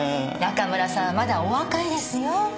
中村さんはまだお若いですよ。